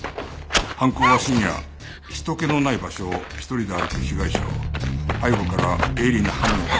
犯行は深夜人けのない場所を一人で歩く被害者を背後から鋭利な刃物で切りつけるという手口。